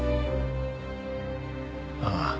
ああ。